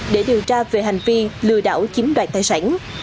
để điều tra về hành vi lừa đảo chiếm đoạt tài sản